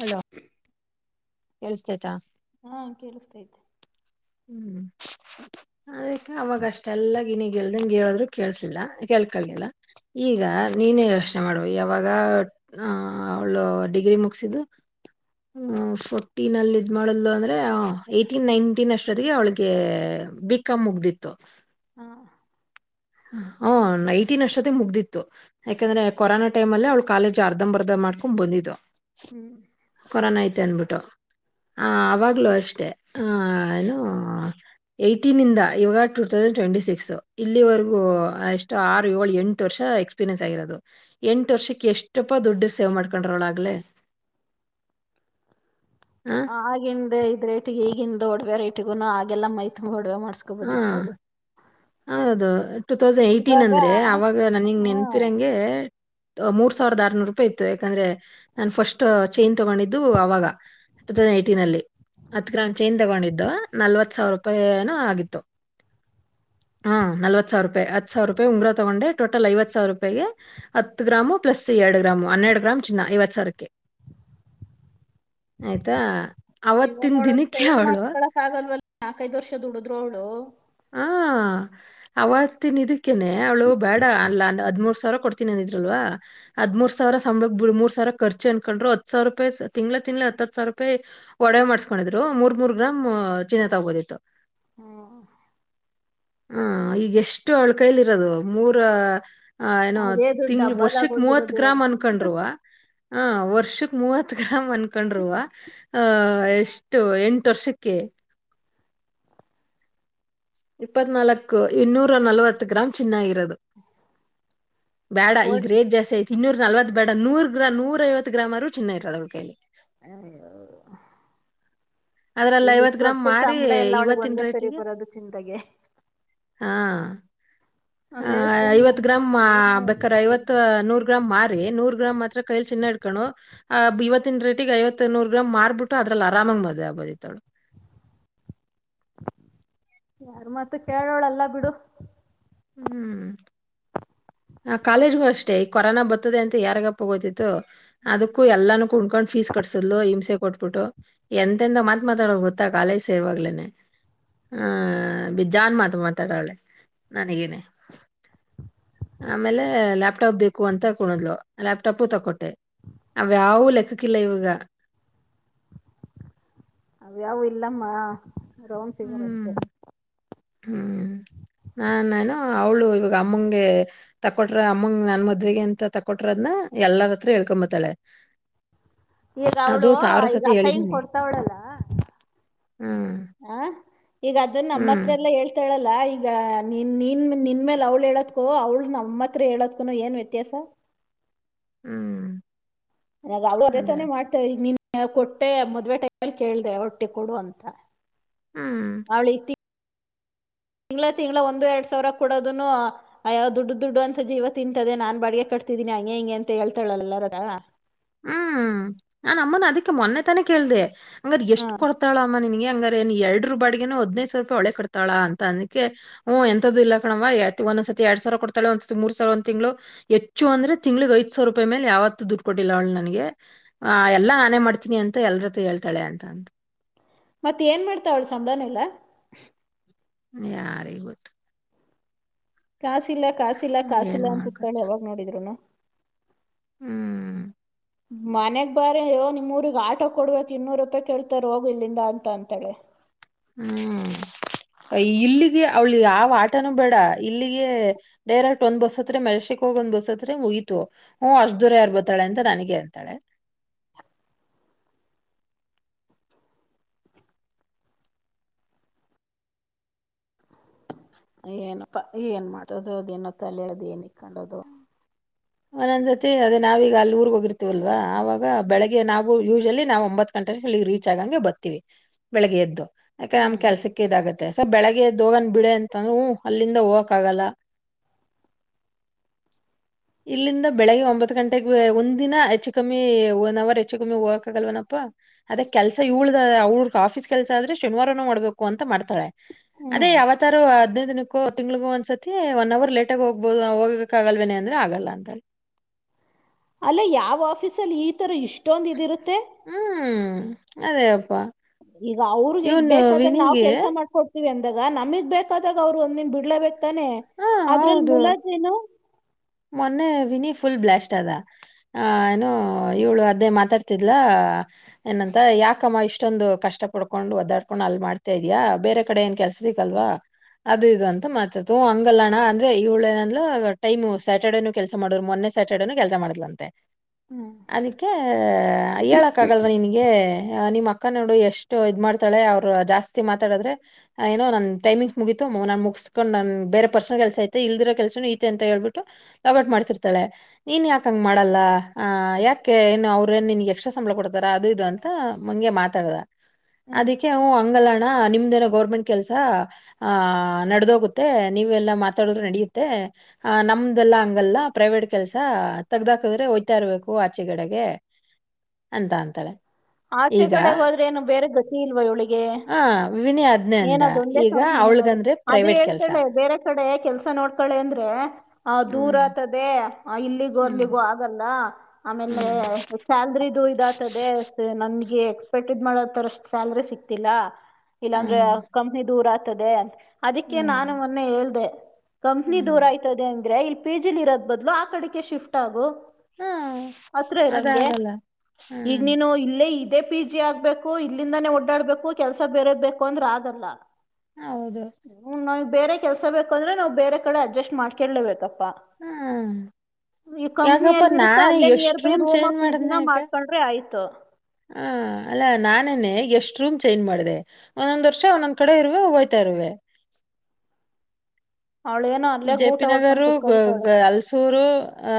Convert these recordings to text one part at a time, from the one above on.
Hello ಕೇಳ್ಸ್ತೈತಾ ಹಾ ತಕೇಳಿಸ್ತಾಯಿತ್ತೆ ಹ್ಮ್ ಅದಕ್ಕೆ ಅವಗಷ್ಟೆಲ್ಲ. ಗ್ಲ್ದಂಗ ಹೇಳದ್ರು ಕೇಳಳ್ಸಿಲ್ಲ ಕೇಳ್ಕಳಗಿಲ್ಲ ಈಗ ನೀನೇ ಯೋಚನೆ ಮಾಡುವ ಯಾವಾಗ ಹಾ ಅವಳು ಡಿಗ್ರಿ ಮುಕ್ ಫೋರ್ಟೀನ್ ಅಲ್ಲಿ ಇದ್ ಮಾಡ ಅಂದ್ರೆ ಹೊ ಏಟೀನ್ ನೈನ್ಟೀನ್ ಅಷ್ಟೊತ್ತಿಗೆ ಅವಳಿಗೆ ಬಿಕಾಮ್ ಮುಗ್ದಿತ್ತು. ಹ. ಹ ನೈಟಿ ನ ಅಷ್ಟೊತ್ತ ಮುಗ್ದಿತ್ತು ಯಾಕಂದ್ರೆ ಕೊರೋನಾ ಟೈಮ ಅಲ್ಲೇ ಅವ್ಳು ಕಾಲೇಜ್ ಅರ್ಧಂಬರ್ಧ ಮಾಡ್ಕೊಂಡ್ ಬಂದಿದ್ದು. ಹ್ಮ್ ಕೊರನ ಐತೆ ಅನ್ಬಿಟ್ಟು. ಹ ಅವಾಗ್ಲುೂ ಅಷ್ಟೆ. ಹ ಏನೂ. ಏಟೀನ್ ಇಂದ ಇವಾಗ ಟು ತೌಸಂಡ್ ಟ್ವೆಂಟಿ ಸಿಕ್ಸ್ ಇಲ್ಲಿವರೆ. ಎಷ್ಟೋ ಆರು ಏಳು ಎಂಟು ವರ್ಷ ಎಕ್ಸ್ಪೀರಿಯನ್ಸ್ ಆಗಿರೋದು ಎಂಟು ವರ್ಷಕ್ಕೆ ಎಷ್ಟಪ್ಪ ದುಡ್ಡಿರ್ ಸೇವ್ ಮಾಡ್ಕೊಂಡ್ರ ಅವಗಲೆ. ಹ ಹಾಗೆಂದೆ. ರೇಟಿಗೆ ಈಗಂದು ದೊಡ್ವ ರೇಟಿಗು ಅಗೆಲ ಮೈತುಂಬ. ಮದ್ವೆ ಆ, ಮಾಡಸ್ಕೊಬೋದಿತ್ತು ಅವ್ಳು. ಹೌದು. ಟೂ ತೌಸಂಡ್ ಏಟೀನ್ ಇವಾಗ ಅಂದ್ರೆ ಆವಾಗ ನನಂಗ ಹಾ ನೆನ್ಪಿರಂಗೆ. ಮೂರ್ ಸಾವಿರದ ಆರ್ನೂರು ರೂಪಾಯಿ ಇತ್ತು ಯಾಕಂದ್ರೆ ನಾನನ್ ಫಸ್ಟ್ ಚೈನ್ ತಗೊಂಡಿದ್ದು ಅವಾಗ ಟೂ ತೌಸಂಡ್ ಏಯ್ಟೀನ್ ಅಲ್ಲಿ ಅತ್ಲ ನನ್ ಚೈನ್ ತಗೊಂಡಿದ್ದು ನಲ್ವತ್ ಸಾವಿರ ರೂಪಾಯೂ ಆಗಿತ್ತು. ಹ ನಲ್ವತ್ ಸಾವಿರ ರೂಪಾಯಿ ಹತ್ತು ಸಾವಿರ ರೂಪಾಯಿ ಉಂಗುರ ತಗೊಂಡೆ ಟೋಟಲ್ ಐವತ್ ಸಾವಿರ ರೂಪಾಯಿಗೆ ಹತ್ತು ಗ್ರಾಮು ಪ್ಲಸ್ ಎರಡು ಗ್ರಾಮು ಹನ್ನೆರಡು ಗ್ರಾಮ್ ಚಿನ್ನ ಐವತ್ ಸಾವಿಕ್ಕೆ ಆಯ್ತಾ. ಅವತ್ತಿನ ಇವುಗೋಳು ದಿನಕ್ಕೆ ಚೇಂಜ್ ಅವಳು ಮಾಡ್ತಳಕ್ ಆಗಲ್ವಲ್ಲ. ನಾಕೈದ್ ವರ್ಷದ ದುಡುದ್ರು ಅವಳು. ಹಾ ಅವತ್ತಿನಿದ್ಕ್. ಅಕ್ಕೇನೆ ಅವಳು ಬೇಡ ಅಲ್ಲ ಅದ್ಮುಂರ್ ಸಾವಿರ. ಕೊಡ್ತೀನಿ ಅಂದಿದ್ರಲ್ವ ಹದ್ಮೂರ್ ಸಾವಿರ ಸಂಬಳ ಬಿ ಮೂರ್ ಸಾವಿರ ಖರ್ಚು ಅನ್ಕೊಂಡ್ರು ಹತ್ ಸಾವಿರ ರೂಪಾಯಿ ತಿಂಗಳ ತಿಂಳ ಹತ್ ಸಾವರ ರೂಪಾಯಿ ಒಡೆವೆ ಮಾಡಸ್ಕೊಂಡಿದ್ರು ಮೂರ್ ಮೂರ್ ಗ್ರಾಮ್ ಚೀನಾ ತಗೋದಿತ್ತು. ಹ್ಮ. ಹ ಈಗ ಎಷ್ಟು ಅವಳ್ ಕೈಲಿ ಇರೋದು ಮೂರ. ಆ ಏನೋ ಅದೇ ದುಡ್ಡು ತಿಂಗ್ಳ ಡಬ್ಬಲ್ ಆಗಿ ವರ್ಷಕ್ ಮೂವತ್ ಹೋಗಿರೋದು ಗ್ರಾಮ್ ಅನ್ಕೊಂಡ್ರುರುವ. ಹಾ ವರ್ಷಕ್ಕೆ ಮೂವತ್ತು ಗ್ರ್ ಅನ್ಕೊಂಡ್ರುರುವ. ಹ ಎಷ್ಟು ಎಂಟು ವರ್ಷಕ್ಕೆ. ಇಪ್ಪತ್ ನಲ್ಕು ಇನ್ನೂರ ನಲ್ವತ್ ಗ್ರಾಮ್ ಚಿನ್ನ. ಯದು. ಬೇಡ ಈಗ ಗ ಕೋಟ್ ರೇಟ್ ಜಾಸತ್ತಿ ಐತಿ. ಇನ್ನೂರ ನಲ್ವತ್ ಬೇಡ ನೂರ್ ಗ್ರಾಮ ನೂರ ಐವತ್ತು ಗ್ರಾಮರು ಚನ್ನ ಇರೋದವಳ ಕೈಲ್ಲಿ. ಅದ್ರಲ್ಲಿ ಈಗ ಐವತ್ ಇಷ್ಟ್ ಗ್ರಾಮ್ ವರ್ಷದ ಮಾರಿ ಸಂಬಳ ಎಲ್ಲ ಅವಳಿಗೆ ಇವತ್ತಿನ ಒಂದೇ ಸರಿ ರೇಟಿಗೆ ಬರೋದು ಚಿಂತೆಗೆ. ಹಾ. ಅ ಅದೇ ಐವತ್ ಗ್ರಾಮ್ ಬೇಕ್ರ ಐವತ್ ನೂರ್ ಗ್ರಾಮ್ ಮಾರಿ ನೂರ್ ಗ್ರಾಮ್ ಮಾತ್ರ ಕೈಲಿ ಚಿನ್ನ ಹಿಡ್ಕಣು. ಆ ಇವತ್ತಿನ ರೇಟಿಗೆ ಐವತ್ತ ನೂರು ಗ್ರಾಮ್ ಮಾರ್ಬಿಟ್ಟು ಅದ್ರಲ್ಲಿ ಆರಾಮಗ್ ಮದ್ವೆ ಆಗಬೋದಿತ್ ಅವ್ಳು. ಯಾರ್ ಮಾತು ಕೇಳೋಳಲ್ಲ ಬಿಡು. ಹ್ಮ್. ನಾ ಕಾಲೇಜ್ಗೂ ಅಷ್ಟೇ ಈ ಕೊರೋನಾ ಬತ್ತದೆ ಅಂತ ಯಾರಿಗಪ್ಪ ಗೊತ್ತಿತ್ತು. ಅದಕ್ಕೂ ಎಲ್ಲಾನೂ ಕುಂಡ್ಕೊಂಡ್ ಫೀಸ್ ಕಟ್ಸದ್ಲು ಹಿಂಸೆ ಕೊಟ್ಬಿಟ್ಟು ಎಂತೆಂದ ಮಾತ ಮಾತಾಡಲು ಗೊತ್ತಾ ಕಾಲೇಜ್ ಸೇರ್ವಾಗ್ಲೇನೆ ಆ ಬೆಜಾನ್ ಮಾತ್ ಮಾತಾಡವ್ಳೆ ನನಗೇನೆ. ಆಮೇಲೆ ಲ್ಯಾಪ್ಟಾಪ್ ಬೇಕು ಅಂತ ಕುಣುದ್ಲು ಲ್ಯಾಪ್ಟಾಪು ತಕೋಟ್ಟೆ ಅವ್ಯಾವು ಲೆಕ್ಕಕ್ಕಿಲ್ಲ ಇವ್ಗ. ಅವ್ ಯಾವು ಇಲ್ಲಮ್ಮಾ. ರೌಂಡ್ ಫಿಗರ್ ಅಷ್ಟೆ. ಹ್ಮ್ ಹ್ಮ್ ನಾನ್ ಏನೋ ಅವಳು ಇವಾಗ ಅಮ್ಮಂಗೆ ತಕೊಟ್ರ ಅಮ್ಮಂಗ ನನ್ ಮದ್ವೆಗೆ ಅಂತ ತಕೊಟ್ರದ್ನ ಎಲ್ಲರತ್ರ ಹೇಳ್ಕೊಂಬತಾಳೆ. ಈಗ ಅವಳು ಈಗ ಆ ಕೈಗ್ ಕೊಡ್ತವಳಲ್ಲ ಹ್ಮ್ ಹ ಈಗ ಅದನ್ನ ಹ್ಮ್ ನಮ್ಮತ್ರೆಲ್ಲ ಹೇಳ್ ತಳಲ್ಲ ಈಗ ನಿನ್ ನಿನ್ ನಿನ್ ಮೇಲೆ ಅವ್ಳ ಹೇಳತ್ಕೋ ಅವ್ಳ ನಮ್ಮ ಹತ್ರ ಹೇಳತ್ಕನು ಏನ್ ವ್ಯತ್ಯಾಸ. ಹ್ಮ್ [unintelligible] ಅವಳು ಅದೇ ತಾನೇ ಮಾಡ್ತ ಈಗ ನಿನ್ನ. [unintelligible] ಕೊಟ್ಟೆ ಮದ್ವೆ ಟೈಮಲ್ಲಿ ಕೇಳಿದೆ ಹೊಟ್ಟಿ ಕೊಡು ಅಂತ. ಹ್ಮ್ ತಿಂಗಳ ತಿಂಗಳ ಒಂದು ಎರಡ್ ಸಾವಿರ ಕೊಡೋದನು ಅಯಾವ ದುಡ್ಡು ದುಡ್ಡು ಅಂತ ಜೀವ ತಿಂತದೆ ನಾನ್ ಬಾಡಿಗೆ ಕಟ್ತಿದೀನಿ ಹಂಗೆ ಹಿಂಗೆ ಅಂತ ಹೇಳ್ತಾಳಲ್ಲಾರದ. ಹ್ಮ್ ನಾನ್ ಅಮ್ಮನ ಅದಿಕ್ಕೆ ಮೊನ್ನೆ ತಾನೇ ಕೇಳ್ದೆ. ಹಂಗಾರ ಎಷ್ಟ್ ಹ್ಮ್ ಕೊಡ್ತಾಳಮ್ಮ ನಿನ್ಗೆ. ಹಂಗರೆ ನೀ ಎರಡರ ಬಾಡಿಗೆನು ಹದಿನೈದ ಸಾವಿರ ರೂಪಿ ಅವ್ಳೆ ಕಡ್ತಾಳ ಅಂತ ಅಂದಕ್ಕೆ ಹ್ಮ ಎಂತದು ಇಲ್ಲ ಕಣಮ್ಮ ಎತ್ತಿ ಒಂದೊನ್ದ್ ಸತಿ ಎರಡ್ ಸಾವಿರ ಕೊಡತಾಳ ಒಂದ್ಸ ಮೂರ್ ಸಾವಿರ ಒಂದ್ ತಿಂಗ್ಳು ಹೆಚ್ಚು ಅಂದ್ರೆ ತಿಂಗಳಿಗ್ ಐದ್ ಸಾವಿರ ರೂಪಾಯ್ ಮೇಲೆ ಯಾವತ್ತು ದುಡ್ಡು ಕೊಟ್ಟ ಇಲ್ಲ ಅವ್ಳ ನನಗೆ ಆ ಎಲ್ಲಾ ನಾನೇ ಮಾಡ್ತೀನಿ ಅಂತ ಎಲ್ರ್ ಹತ್ರ ಹೇಳ್ತಾಳೆ ಅಂತ ಅಂತ. ಮತ್ ಏನ್ ಮಾಡ್ತವ್ಲ್ ಸಂಬ್ಳಾನೆಲ್ಲಾ. ಯಾರಿಗೊತ್ತು. ಕಾಸಿಲ್ಲ ಕಾಸಿಲ್ಲ ಏನ್ ಕಾಸಿಲ್ಲ ಮಾಡ್ಕತ್ ಅಂತಿರ್ತ್ತಾಳೆ ಯಾವಾಗ ನೋಡಿದ್ರುನು. ಹ್ಮ್ ಮನೆಗ್ ಬಾರೆ ಯೊ ನಿಮ್ಮೂರಿಗ್ ಆಟೋ ಕೊಡ್ಬೇಕ್ ಇನ್ನೂರು ರೂಪಾಯಿ ಕೇಳ್ತಾರ್ ಹೋಗು ಇಲ್ಲಿಂದ ಅಂತ ಅಂತಾಳೆ. ಹ್ಮ್ ಇಲ್ಲಿಗೆ ಅವಳಿ ಯಾವ ಆಟನುೂ ಬೇಡ ಇಲ್ಲಿಗೆ ಡೈರೆಕ್ಟ್ ಒಂದ್ ಬಸ್ ಹತ್ರ ಮೆಷಟಿಕ್ ಹೋಗ ಒಂದ್ ಬಸ್ ಹತ್ರ ಮುಗೀತು ಹ್ಮ ಅಷ್ಟ ದೂರ ಯಾರ್ ಬತಾಳೆ ಅಂತ ನನಗ ಅಂತಾಳೆ. ಏನಪ್ಪಾ ಏನ್ ಮಾತ್ಡತಳೊ ಅದು ಅದೇನ ತಲೆ ಅದ ಏನಿ. ಕಂಡದು. [unintelligible] ಜತಿ ಅದೇ ನಾವೀಗ ಅಲ್ಲಿ ಊರ್ಗ್ ಹೋಗಿರ್ತೀವಲ್ವಾ. ಅವಾಗ ಬೆಳಿಗ್ಗೆ ನಾವು ಯೂಶವಲಿ. ನಾವು ಒಂಬತ್ ಗಂಟೆಗೆ ಇಲ್ಲಿ ರೀಚ್ ಆಗಂಗೆ ಬರ್ತಿವಿ ಬೆಳಗ್ಗೆ ಎದ್ದು. ಯಾಕೆ ನಮ್ ಹ್ಮ್ ಕೆಲ್ಸಕ್ಕೆ ಇದಾಗುತ್ತೆ ಸೊ ಬೆಳ ಹಾಗೆ ಎದ್ದು ಹೋಗನ್ ಬಿಡೆ ಅಂತಾ ಹೂ ಅಲ್ಲಿಂದ ಹೋಗಕ್ಕಾಗಲ್ಲ. ಇಲ್ಲಿಂದ ಬೆಳಿಗ್ಗೆ ಒಂಬತ್ ಗಂಟೆಗೆ ಒಂದ ದಿನ ಹೆಚ್ಚು ಕಮ್ಮಿ ಒನ್ ಅವರ್ ಹೆಚ್ಚು ಕಮ್ಮಿ [unintelligible] ಎಲೆನಿಂದ ಬೆಲ್ಗೆ ಒಂಬತ್ ಗಂಟೆಗೆ ಒಂದ್ ದಿನ ಹೆಚ್ಚು ಕೆಡಿಮೆ ವೋಗಾಕ್ ಆಗಲ್ವನಪ್ಪಾ ಅದೇ ಕೆಲ್ಸ ಇವಳ್ದ ಅವಳ ಆಫೀಸ್ ಕೆಲ್ಸ ಆದ್ರೆ ಶನಿವಾರನು ಮಾಡ್ಬೇಕು ಅಂತ ಮಾಡ್ತಾಳೆ ಅದೇ ಹ್ಮ್ ಯಾವತ್ತಾರು ಹದ್ನೈದ್ ದಿನಕ್ ಹ ತಿಂಗಲಿಗ ಒಂದ್ ಸತಿ ಒನ್ ಅವರ್ ಲೇಟ್ ಆಗ ಹೋಗ್ಬೋದು ಗಕ್ ಆಗಲ್ವೇನೆ ಅಂದ್ರೆ ಆಗಲ್ಲ ಅಂತಾಳ್ [unintelligible] ಅಲ್ಲ ಯಾವ್ ಆಫೀಸ ಅಲ್ಲಿ ಈ ತರ ಇಷ್ಟೊಂದ್ ಇದಿರುತ್ತೆ ಹ್ಮ್ ಅದೇವಪ್ಪಾ ಈಗ ಅವ್ರಿಗೆ ಬೇಕಾದ್ರೆ ನಾವವು ಕೆಲ್ಸ ಮಾಡ್ಕೊಡ್ತಿವಿ ಅಂದ ದಗ ನಮಿಗ್ ಬೇಕಾದಾಗ ಅವ್ರು ಒಂದನ್ ಬಿಡ್ಲೇಬೇಕು ತಾನೆ ಹ ಅದ್ರಲ್ಲಿ ಹೌದು ಮುಲಾಜ್ ಏನು ಮೊನ್ನೆ ವಿನಿ ಫುಲ್ ಬ್ಲಾಸ್ಟ್ ಅದ ಆ ಏನು ಇವಳು ಅದೇ ಮಾತಾಡ್ತಿದ್ಲಾ ಏನಂತ ಯಾಕಮ್ಮ ಇಷ್ಟೊಂದು ಕಷ್ಟ ಪಡ್ಕೊಂಡು ಒದ್ದಾಡ್ಕೊಂಡು ಅಲ್ಲಿ ಮಾಡ್ತಿದ್ಯ ಬೇರೆ ಕಡೆ ಏನ್ ಕೆಲ್ಸ ಸಿಗಲ್ವಾ ಅದು ಇದು ಅಂತ ಮಾತಾ ಹಂಗಲ್ಲಣ ಅಂದ್ರೆ ಇಳೇನಂದ್ ಟೈಮ್ ಸ್ಯಾಟರ್ಡೇನುೂ ಕೆಲ್ಸ ಮಾಡಿದರು ಮೊನ್ನೆ ಸ್ಯಾಟರ್ಡೇನು ಕೆಲ್ಸ ಮಾಡ್ಅಂತೆ ಹ್ಮ್ [unintelligible] ಅದಿಕ್ಕೆ ಹೇಳಕ್ ಆಗಲ್ವ ನಿನ್ಗೆ ನಿಮ್ ಅಕ್ಕ ನೋಡು ಎಷ್ಟು ಇದ ಮಾಡ್ತಾಳೆ ನಿಮ್ ಅಕ್ಕ ನೋಡು ಎಷ್ಟು ಇದುಮಾಡಿತಾಳೆ ಅವ್ರು ಜಾಸ್ತಿ ಮಾತಾಡಿದ್ರೆ ಏನೋ ನನ್ ಟೈಮಿಂಗ್ ಮುಗೀತು ನಾನು ಮುಗಸ್ಕೊಂಡ್ ನನ್. ಬೇರೆ ಪರ್ಸನಲ್ ಕೆಲ್ಸ ಐತೆ ಇಲ್ದಿರೋ ಕೆಲ್ಸನು ಐತೆ ಅಂತ ಹೇಳ್ಬಿಟ್ಟು ಲಾಗೌಟ್ ಮಾಡ್ತಿತಾಳ ಬೇರೆ ಪರ್ಸನಲ್ ಕೆಲಸ ಇತು ಇಲ್ದೆಇರೋ ಕೆಲ್ಸನೂ ಐತೆ ಅಂತ ಹೇಳ್ಬೇಟು ಲಾಗ್ಔಟ್ ಮಾಡ್ತಾ ಇರ್ತಳೆನೀನ್ ಯಾಕಂಗಗೆ ಮಾಡಲ್ಲ ಅ ಯಾಕೆ ಏನು ಅವ್ರ ಏನ್ ನಿನ್ ಎಸ್ಟ್ರಾ ಸಂಬಳ ಕೊಡ್ತಾರ ಅದು ಇದು ಅಂತ ಮುಂಗೆ ಮಾತಾಡ್ದ. [unintelligible] ಹ್ಮ್ ಅದಕ್ಕೆ ಅವ ಅಂಗಲ್ನ. ಹ ನಿಮ್ದನ ಗರ್ಮೆಂಟ್ ಕೆಲಸ ನಡೆದೋಗುತ್ತೆ ನೀವೆಲ್ಲಾ ಮಾತಾಡುದ್ರು ನಡಿಯುತ್ತೆ ಆ ನಮ್ದೆಲ್ಲಾ ಹಂಗಲ್ಲ ಪ್ರೈವೇಟ್ ಕೆಲ್ಸ ತಗ್ದಾಕದ್ರೆ ಹೊಯ್ತಾ ಇರ್ಬೇಕು ಆಚೆಗಡೆಗೆ ಅಂತ ಅಂತಾಳೆ ಆಚೆ ಈಗ ಕಡೆಗೆ ಹೋದ್ರೆ ಏನು ಬೇರೆ ಗತಿ ಇಲ್ವಾ ಇವಳಿಗೆ [unintelligible] ಆ ವಿನಿ ಅದ್ನೇ ಅಂದ ಏನದ ಒಂದೇ ಈಗ ಕಂಪನಿ ನಡ್ಸ್ ಅವಳ್ಗಂದ್ರೆ ಅದೇ ಪ್ರೈವೇಟ್ ಕೆಲ್ಸ ಹೇಳ್ತಾಳೆ ಬೇರೆ ಕಡೆ ಕೆಲ್ಸ ನೋಡ್ಕೊಳ್ಳಿ ಅಂದ್ರೆ ಆ ದೂರ ಹ್ಮ್ ಆತದೆ [unintelligible] ಆ ಇಲ್ಲಿಗೂ ಹ್ಮ್ ಅಲ್ಲಿಗೂ ಆಗಲ್ಲ ಆಮೇಲೆ ಹ್ಮ್ ಸ್ಯಾಲ್ರಿದು ಇದು ಆತ್ತದೆ ನಮ್ಗೆ ಎಕ್ಸ್ಪೆಕ್ಟೆಡ್ ಮಾಡೋ ತರಷ್ಟ್ ಸ್ಯಲ್ರಿ ಸಿಕ್ತಿಲ್ಲ ಇಲ್ಲಾಂದ್ರೆ ಹ್ಮ್ ಕಂಪ್ನಿ ದೂರ ರ್ತದೆ [unintelligible] ಅದಕ್ಕೆ ಹ್ಮ್ ನಾನು ಮೊನ್ನೆ ಹೇಳ್ದೇ ಕಂಪ್ನಿ ಹ್ಮ್ ದೂರ ಆಯ್ತದೆ ಅಂದ್ರೆ ಇಲ್ಲ ಪೇಜಿಲ್ ಇರೋದ ಬದ್ಲು ಆ ಕಡೆ ಶಿಫ್ಟ್ ಆಗು ಹ್ಮ್ ಹತ್ರ ಇರಂಗೆ ಅದಾಗಲ್ಲ ಈಗ ಹ್ಮ್ ನೀನು ಇಲ್ಲ್ ಅಲ್ಲ ಇದೇ ಪಿ ಜಿ ಆಗ್ಬೇಕು ಇಲ್ಲಿಂದಾನೇ ಓಡಾಡ್ಬೇಕು ಕೆಲ್ಸ ಬೇರೆ ಬೇಕು ಅಂದ್ರೆ ಆಗಲ್ಲ ಹೌದು [unintelligible] ಬೇರೆ ಕೆಲ್ಸ ಬೇಕ ಅಂದ್ರೆ ನಾವು ಬೇರೆ ಕಡೆ ಅಡ್ಜಸ್ಟ್ ಮಾಡಕೇಳ್ಲೇಬೇಕ ಪ್ಪ ಹ್ಮ್ ಈ ಕಂಪ್ನಿ ಯಾಕಪ್ಪ ಎಲ್ಲಿ ಇರುತ್ತ ನಾನೇ ಅಲ್ಲೇ ಎಷ್ಟ್ ನಿಯರ್ ಬೈ ರೂಮ್ ರೂಮೋ ಚೇಂಜ್ ಪಿ ಜಿ ಮಾಡಿದ್ನೆ ನೋ ಯಾಕೆ ಮಾಡ್ಕೊಂಡ್ರೆ ಆಯ್ತು. ಹಾ ಅಲ್ಲಾ ನಾನೇನೆ ಎಷ್ಟ್ ರೂಮ್ ಚೇಂಜ್ ಮಾಡಿದೆ ಒಂದೊಂದ್ ವರ್ಷ ಒಂದೊಂದ್ ಕಡೆ ಇರುವೆ ಹೋಯ್ತಾ ಇರುವೆ. ಅವಳೇನೋ ಅಲ್ಲೇ ಗೂಟ ಜೆಪಿ ಹೊಡ್ಕೊಂಡ್ ನಗರು ಗ ಕುತ್ಕೋಬಿಟ್ಟವ್ಳೆ ಗ ಅಲ್ಸೂರು ಅ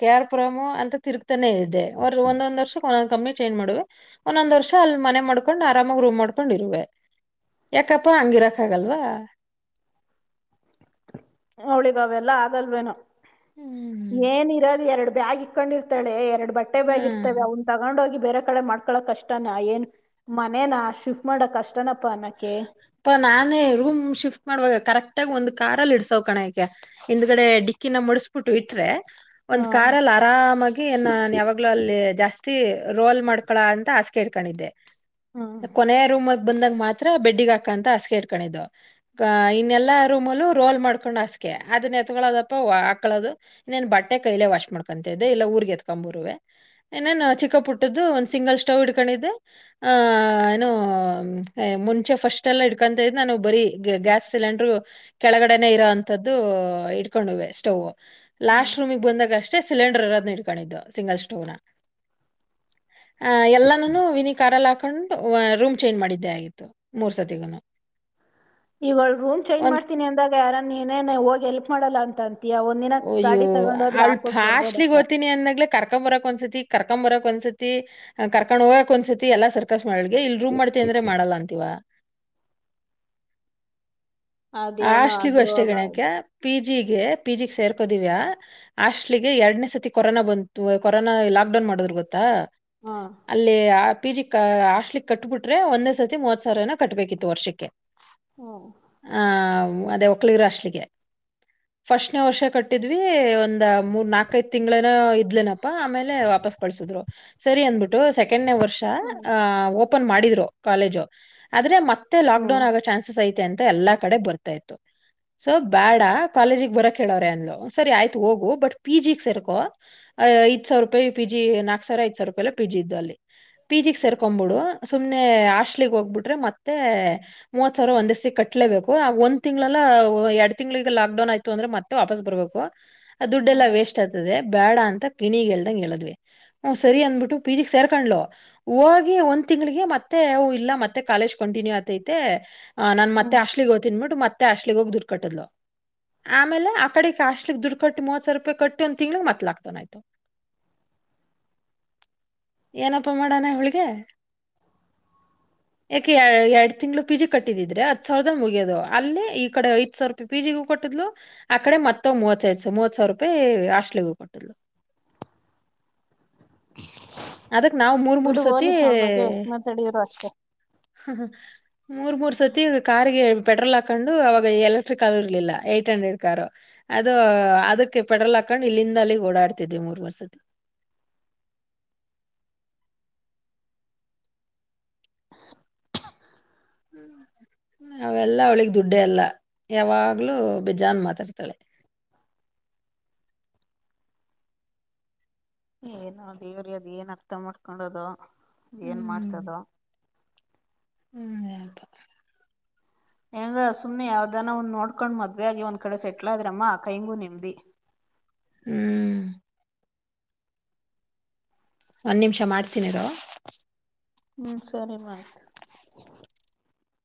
ಕೇ ಆರ್ ಪುರಮ್ಮು ಅಂತ ತಿರುಗ್ ತಾನೆ ಇದ್ದೆ ಅವ್ರ್ ಒಂದೊಂದ್ ವರ್ಷ ಒಂದೊಂದ್ ಕಂಪ್ನಿ ಚೇಂಜ್ ಮಾಡುವೆ ಒಂದೊಂದ್ ವರ್ಷ ಅಲ್ ಮನೆ ಮಾಡ್ಕೊಂಡ್ ಆರಾಮಾಗಿ ರೂಮ್ ಮಾಡ್ಕೊಂಡ್ ಇರುವೆ. ಯಾಕಪ್ಪಾ ಹಂಗಿರಕ್ ಆಗಲ್ವಾ. ಅವ್ಳಿಗೆ ಅವೆಲ್ಲ ಆಗಲ್ವೇನೋ. ಹ್ಮ್ ಏನಿರೋದು ಎರಡು ಬ್ಯಾಗ ಕೊಂಡಿರ್ತಳೆ ಎರಡು ಬಟ್ಟೆ ಹ್ಮ್ ಬ್ಯಾಗಿರ್ತವೆ ಅವ್ನ್ ತಗೊಂಡ್ ಹೋಗಿ ಬೇರೆ ಕಡೆ ಮಾಡ್ಕೊಳಕ್ ಕಷ್ಟಾನ ಏನ್ ಮನೇನ ಶಿಫ್ಟ್ ಮಾಡಕ್ ಕಷ್ಟನಪ್ಪಾ ಪಾ ನಾನೇ ರೂಮ್ ಶಿಫ್ಟ್ ಮಾಡುವಾಗ ಕರೆಕ್ಟ್ ಆಗ ಒಂದ್ ಕಾರಲ್ಲಿ ಇಡ್ಸವ್ ಕಣೇಕೆ ಹಿಂದ್ಗಡೆ ಡಿಕ್ಕಿನ ಮಡುಸ್ಬುಟ್ಟು ಇಟ್ರೆ ಒಂದ್ ಹ್ಮ್ ಕಾರಲ್ಲಿ ಆರಾಮಾಗಿ ಏನಾನ್ ಯಾವಾಗ್ಲೂ ಅಲ್ಲಿ ಜಾಸ್ತಿ ರೋಲ್ ಮಾಡ್ಕೊಳ ಅಂತ ಹಾಸ್ಗೆ ಹಿಡ್ಕಂಡಿದ್ದೆ. ಹ್ಮ್ ಕೊನೆಯ ರೂಮ ಬಂದಾಗ ಮಾತ್ರ ಬೆಡ್ಡಿಗ್ ಹಾಕ್ ಕಂತ ಹಾಸ್ಗೆ ಹಿಡ್ಕಂಡಿದ್ದು ಇನ್ನೆಲ್ಲಾ ರೂಮಲ್ಲೂ ರೋಲ್ ಮಾಡ್ಕೊಂಡ್ ಹಾಸ್ಗೆ ಅದನ್ ಎತ್ಕೊಳ್ಳೋದಪ್ಪ ಹಾಕಳೋದು ಇನ್ನೇನ್ ಬಟ್ಟೆ ಕೈಲೆ ವಾಶ್ ಮಾಡ್ಕೊಂತ ಇದ್ದೆ ಇಲ್ಲ ಊರ್ಗ್ ಎತ್ಕೊಂಬರುವೆ ಇನ್ನೇನು ಚಿಕ್ಕಪುಟ್ಟದ್ದು ಒಂದ್ ಸಿಂಗಲ್ ಸ್ಟವ್ ಇಡ್ಕೊಂಡಿದ್ದೆ ಆ ಏನು ಮುಂಚೆ ಫಸ್ ಟೆಲ್ಲ ಇಡ್ಕೊಂತಾ ಇದ್ ನಾನು ಬರೀ ಗ್ಯಾಸ್ ಸಿಲಿಂಡರು ಕೆಳಗಡೆನೆೇ ಇರೋ ಅಂತದ್ದು ಇಟ್ಕೊಂಡುವೆ ಸ್ಟೌವ್ವು. ಹ್ಮ್ ಲಾಸ್ಟ್ ರೂಮಿಗೆ ಬಂದಾಗ ಅಷ್ಟೇ ಸಿಲೆಂಡ್ ಹಿಡ್ಕಂಡಿದ್ದು ಸಿಂಗಲ್ ಸ್ಟೋನ. ಆ ಎಲ್ಲಾನುನು ವಿನಿ ಕಾರಲ್ಲಾಕ್ ಕೊಂಡು ವ ರೂಮ್ ಚೇಂಜ್ ಮಾಡಿದ್ದೇ ಆಗಿತ್ತು ಮೂರ್ ಸತಿಗುನು ಇವಾಗ ರೂಮ್ ಚೇಂಜ್ ಒಂದ್ ಮಾಡ್ತೀನಿ ಅಂದಾಗ ಯಾರಾನೀ ಇನ್ನೇನೆ ಹೋಗಿ ಹೆಲ್ಪ್ ಮಾಡಲ್ಲ ಅಂತ ಅಂ ಒಯ್ಯೋ ಅವ್ಳ ಫಾಸ್ಟ್ಲಿಗ್ ಬರ್ಬೋದಕ್ಕ. ಓತೀನಿ ಅಂದಾಗ್ಲೆ ಕರ್ಕೊಂಬರಕ್ ಒಂದ್ಸತಿ ಕರ್ಕೊಂಬರಕ್ ಒಂದ್ಸತಿ ಕರ್ಕೊಂಡ್ ಹೋಗಕ್ ಒಂದ್ಸತಿ ಎಲ್ಲ ಸರ್ಕ ಅವ್ಳಗೆ ಇಲ್ ರೂಮ್ ಮಾಡ್ತೀವಿ ಅಂದ್ರೆ ಮಾಡಲ್ಲ ಅಂತಿವ. ಅದೇನೋ ಆಷ್ಟ್ಲಿಗೂ ಅಷ್ಟೇ ಅದ್ರೊಳಗ ಅದ್ ಗಣೆಕ್ಯಾ ಪೀ ಜೀ ಗೆ ಪಿ ಜಿ ಗ್ ಸೇರ್ಕೋ ದಿವ್ಯಾ ಹಾಸ್ಟ್ಲಿಗೆ ಎರಡ್ನೇ ಸತಿ ಕೊರೋನಾ ಬಂತು ಕೊರೋನಾ ಲಾಕ್ಡೌನ್ ಮಾಡದ್ ಗೊತ್ತಾ ಹಾ ಅಲ್ಲಿ ಆ ಪಿ ಜಿ ಕ ಹಾಸ್ಲಿ ಕಟ್ಬಿಟ್ರೆ ಒಂದೇ ಸತಿ ಮೂವತ್ ಸಾವಿರನ ಕಟ್ಬೇಕಿತ್ತು ವರ್ಷಕ್ಕೆ. ಹ್ಮ. ಆ ಅದೇ ಒಕ್ಲಿಗರು ಆಷ್ಟ್ಲಿಗೆ ಫಸ್ಟ್ನೇ ವರ್ಷ ಕಟ್ಟಿದ್ವಿ ಒಂದ್ ಮೂರ್ ನಾಕೈದ್ ತಿಂಗ್ಳೇನೋ ಇದ್ಲೇನಪ್ಪಾ ಆಮೇಲೆ ವಾಪಸ್ ಕಳ್ಸಿದ್ರು. ಸರಿ ಅಂದ್ಬಿಟ್ಟು ಸೆಕೆಂಡ್ನೇ ವರ್ಷ ಹ್ಮ್ ಆ ಓಪನ್ ಮಾಡಿದ್ರು ಕಾಲೇಜು. ಆದ್ರೆ ಮತ್ತೆ ಲಾಕ್ ಡೌನ್ ಹ್ಮ್ ಆಗೋ ಚಾನ್ಸಸ್ ಐತೆ ಅಂತ ಎಲ್ಲಾ ಕಡೆ ಬರ್ತಾ ಇತ್ತು. ಸೊ ಬೇಡ ಕಾಲೇಜಿಗೆ ಬರಕ್ಹೇಳವ್ರೆ ಅಂದ್ಲು ಸರಿ ಆಯ್ತು ಹೋಗು ಬಟ್ ಪಿ ಜಿ ಸೇರ್ಕೋ ಐದ್ ಸಾವಿರ ರೂಪಾಯಿ ಪಿ ಜಿ ನಾಕ್ ಸಾವಿರ ಐದ ಸಾವಿರ ರೂಪಾಯಿ ಪಿ ಜಿ ಇದ್ದು ಅಲ್ಲಿ ಪಿ ಜಿ ಸೇರ್ಕೊಂಡ್ಬಿಡು ಸುಮ್ನೆ ಹಾಸ್ಟ್ಲಗ್ ಹೋಗ್ಬಿಟ್ರೆ ಮತ್ತೆ ಮೂವತ್ ಸಾವಿರ ಒಂದೇಸತಿ ಕಟ್ಲೇಬೇಕು. ಆ ಒಂದ್ ತಿಂಗಳಲ್ಲ ಎರಡ್ ತಿಂಗ್ಳಗ ಲಾಕ್ಡೌನ್ ಆಯ್ತು ಅಂದ್ರೆ ಮತ್ತೆ ವಾಪಸ್ ಬರ್ಬೇಕು. ಆ ದುಡ್ಡ್ ಎಲ್ಲಾ ವೇಸ್ಟ್ ಆಗ್ತದೆ ಬೇಡ ಅಂ ತ ಗಿಣಿಗೆ ಹೇಳ್ದಂಗ್ ಹೇಳದ್ವಿ ಹು ಸರಿ ಅಂದ್ಬಿಟ್ಟು ಪಿ ಜಿ ಗೆ ಸೇರ್ಕೊಂಡ್ಲು ಹೋಗಿ ಒಂದ್ ತಿಂಗಳಿಗೆ ಮತ್ತೆ ಅ ಇಲ್ಲ ಮತ್ತೆ ಕಾಲೇಜ್ ಕಂಟಿನ್ಯೂ ಆತೈತೆ ಹಾ ನಾನ್ ಮತ್ತೆ ಹ್ಮ್ ಹಾಸ್ಟ್ಲಿಗೋ ನೋಡು ಮತ್ತೆ ಹಾಸ್ಟ್ಲಗೆ ಹೋಗ್ ದುಡ್ಡ್ ಕಟ್ಟುದ್ಲು ಆಮೇಲೆ ಆ ಕಡೆ ಹಾಸ್ಟೆಲ್ ಗೆ ದುಡ್ಡು ಕಟ್ಟ ಮೂವತ್ತು ಸಾವಿರ ರೂಪಾಯ ಕಟ್ಟಿ ಒಂದ್ ತಿಂಗಳಿಗೆ ಮತ್ತ ಲಾಕ್ಡೌನ್ ಆಯ್ತ ಏನಪ್ಪಾ ಮಾಡಣ ಇವ್ಳಿಗೆ ಯಾಕೆ ಎರಡ್ ತಿಂಗಳ ಪಿ ಜಿ ಕಟ್ಟಿದಿದ್ರೆ ಹತ್ ಸಾವಿರದಲ್ಲಿ ಮುಗಿ ಯದು ಅಲ್ಲಿ ಈ ಕಡೆ ಐದ್ ಸಾವಿರ ರೂಪಾಯಿ ಪಿ ಜಿ ಗೂ ಕೊಟ್ಟಿದ್ಲು ಆಕಡೆ ಮತ್ತೆ ಮೂವತೈದು ಮೂವತ್ ಸಾವಿರ ರೂಪಾಯಿ ಹಾಸ್ಟ್ಲಿಗೂ ಕೊಟ್ಟಿದ್ಲು. ಅದುಕ್ ನಾವ್ ಮೂರ್ ಮೂರ್ ಬಿಡು ಸತಿ ಹೋಗ್ಲಿ ಅವಳ ಬಗ್ಗೆ ಎಷ್ಟ್ ಮಾತಾಡಿದ್ರು ಅಷ್ಟೇ. ಹ ಹ ಮೂರ್ ಮೂರ್ ಸತಿ ಈ ಕಾರ್ ಗೆ ಪೆಟ್ರೋಲ್ ಹಾಕೊಂಡು ಅವಾಗ ಎಲೆಕ್ಟ್ರಿಕ್ ಕಾರ್ ಇರ್ಲಿಲ್ಲ ಏಟ್ ಹಂಡ್ರೆಡ್ ಕಾರು ಅದು ಅದಕ್ಕೆ ಪೆಟ್ರೋಲ್ ಹಾಕೊಂಡು ಇಲ್ಲಿಂದ ಅಲ್ಲಿ ಓಡಾಡ್ತಿದ್ವಿ ಮೂರ್ ಮೂರ್ ಸತಿ. ಹ್ಮ ಅವೆಲ್ಲಾ ಅವ್ಳಿಗ್ ದುಡ್ಡೆ ಅಲ್ಲ ಯಾವಾಗ್ಲೂ ಬೇಜಾನ್ ಮಾತಾಡ್ತಾಳೆ. ಏನೋ ದೇವ್ರೇ ಅದ ಏನ್ ಅರ್ಥ ಮಾಡ್ಕೊಂಡದೋ. ಏನ್ ಹ್ಮ್ ಮಾಡ್ತದೊ. ಹ್ಮ್ ಹೆಂಗ ಸುಮ್ನೆ ಯಾವ್ದಾನ ಒಂದ ನೋಡ್ಕೊಂಡ್ ಮದ್ವೆ ಆಗಿ ಒಂದ್ ಕಡೆ ಸೆಟ್ಲ್ ಆದ್ರೆ ಅಮ್ಮ ಕೈಂಗೂ ನೆಮ್ಮದಿ. ಹ್ಮ್. ಒಂದ್ ನಿಮಿಷ ಮಾಡ್ತೀನಿ ಇರು. ಹ್ಮ್ ಸರಿ ಮಾ ಆಯ್ತು.